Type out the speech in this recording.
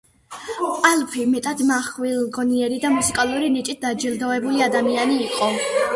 ალფი მეტად მახვილგონიერი და მუსიკალური ნიჭით დაჯილდოებული ადამიანი იყო.